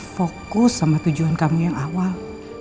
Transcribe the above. fokus sama tujuan kami yang awal